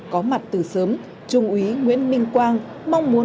có mặt từ sớm trung úy nguyễn minh quang mong muốn